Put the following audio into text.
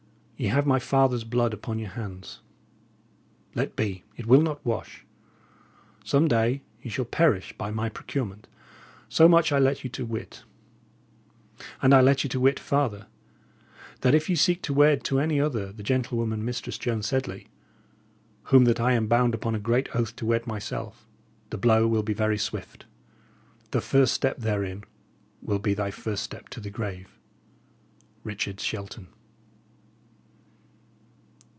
Ye have my father's blood upon your hands; let be, it will not wasshe. Some day ye shall perish by my procurement, so much I let you to wytte; and I let you to wytte farther, that if ye seek to wed to any other the gentylwoman, Mistresse Joan Sedley, whom that I am bound upon a great oath to wed myself, the blow will be very swift. The first step therinne will be thy first step to the grave. RIC. SHELTON.